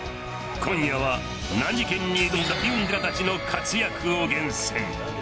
今夜は難事件に挑んだ敏腕デカたちの活躍を厳選。